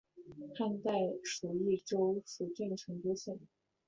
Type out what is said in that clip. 汉代属益州蜀郡成都县。